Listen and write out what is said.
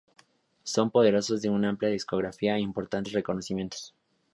Son poseedores de una amplia discografía e importantes reconocimientos.